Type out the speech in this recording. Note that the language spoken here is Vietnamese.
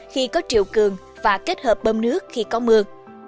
khi có triều cường và kết hợp bơm nước khi có mưa